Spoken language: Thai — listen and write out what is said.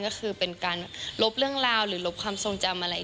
ก็คือเป็นการลบเรื่องราวหรือลบความทรงจำอะไร